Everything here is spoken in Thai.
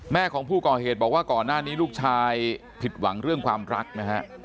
แม่ของผู้ก่อเหตุบอกว่าก่อนหน้านี้ลูกชายผิดหวังเรื่องความรักนะฮะ